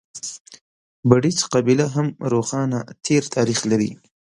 بړېڅ قبیله هم روښانه تېر تاریخ لري.